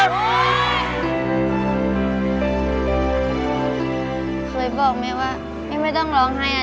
ขอบคุณบอกไหมว่าไม่ต้องร้องให้นะ